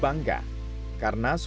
bakal pengguna bahasa jawa lalu